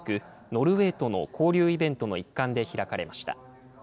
ノルウェーとの交流イベントの一環で開かれました。